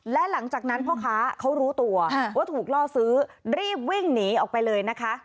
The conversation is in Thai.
และหลังจากนั้นพ่อค้าเขารู้ตัวว่าถูกล่อซื้อรีบวิ่งหนีออกไปเลยนะคะ